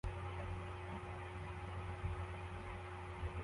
Umugore ahagarara iruhande runini